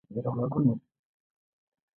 سلام کلام یې وکړ او په خندا یې وکتل.